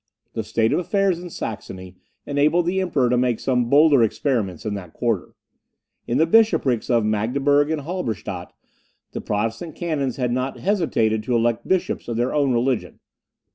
The state of affairs in Saxony enabled the Emperor to make some bolder experiments in that quarter. In the bishoprics of Magdeburg and Halberstadt, the Protestant canons had not hesitated to elect bishops of their own religion.